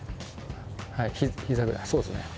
ひざぐらいそうですね。